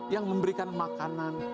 yang memberikan makanan